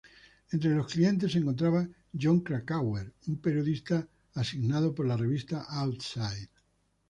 Entre los clientes se encontraba Jon Krakauer, un periodista asignado por la revista "Outside".